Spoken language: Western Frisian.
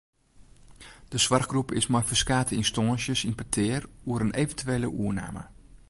De soarchgroep is mei ferskate ynstânsjes yn petear oer in eventuele oername.